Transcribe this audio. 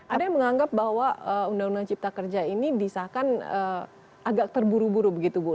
ada yang menganggap bahwa undang undang cipta kerja ini disahkan agak terburu buru begitu bu